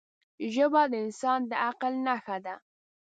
ژبه د انسان د عقل نښه ده